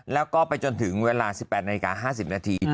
แล้วก็ไปจนถึงเวลา๑๘นาฬิกา๕๐นาที